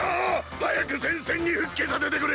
早く戦線に復帰させてくれ！